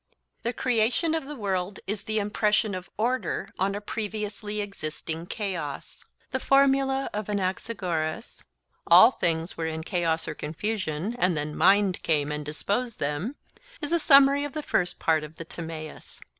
The creation of the world is the impression of order on a previously existing chaos. The formula of Anaxagoras—'all things were in chaos or confusion, and then mind came and disposed them'—is a summary of the first part of the Timaeus.